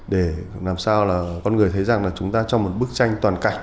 để làm sao là con người thấy rằng là chúng ta trong một bức tranh toàn cảnh